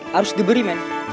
harus diberi men